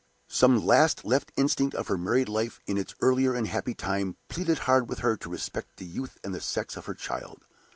Some last left instinct of her married life in its earlier and happier time pleaded hard with her to respect the youth and the sex of her child.